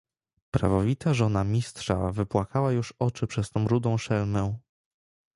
"Prawowita żona Mistrza wypłakała już oczy przez tą rudą szelmę."